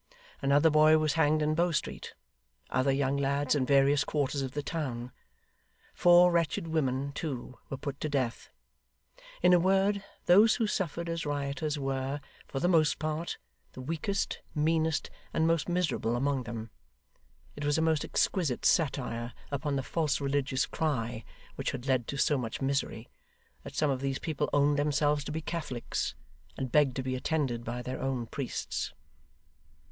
Another boy was hanged in Bow Street; other young lads in various quarters of the town. Four wretched women, too, were put to death. In a word, those who suffered as rioters were, for the most part, the weakest, meanest, and most miserable among them. It was a most exquisite satire upon the false religious cry which had led to so much misery, that some of these people owned themselves to be Catholics, and begged to be attended by their own priests.